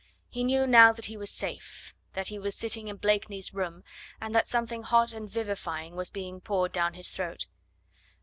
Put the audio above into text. He knew now that he was safe, that he was sitting in Blakeney's room, and that something hot and vivifying was being poured down his throat.